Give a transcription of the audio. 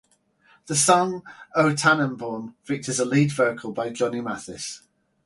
The song "O Tannenbaum" features a lead vocal by Johnny Mathis.